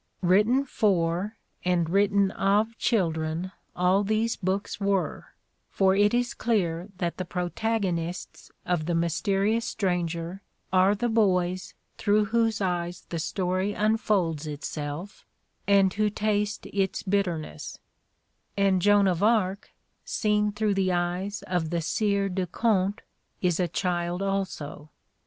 "Written for and written of children all these books were, for it is clear that the protagonists of '' The Mysterious Stranger" are the boys through whose eyes the story unfolds itself and who taste its bitterness, and Joan of Arc, seen through the eyes of the Sieur de Conte, is a child also.